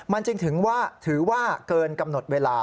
มันจึงถือว่าถือว่าเกินกำหนดเวลา